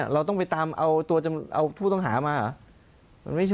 เราต้องไปตามเอาผู้ต่างหามาหรือ